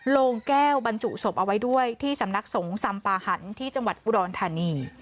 โรงแก้วบรรจุศพเอาไว้ด้วยที่สำนักสงฆ์สำปาหันที่จังหวัดอุดรธานี